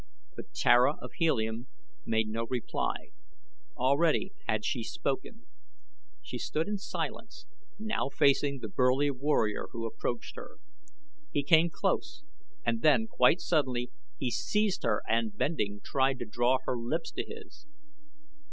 But Tara of Helium made no reply. Already had she spoken. She stood in silence now facing the burly warrior who approached her. He came close and then quite suddenly he seized her and, bending, tried to draw her lips to his.